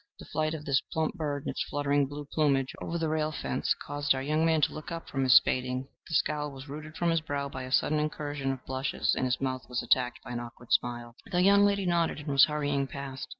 The flight of this plump bird in its fluttering blue plumage over the rail fence caused our young man to look up from his spading: the scowl was routed from his brow by a sudden incursion of blushes, and his mouth was attacked by an awkward smile. The young lady nodded, and was hurrying past.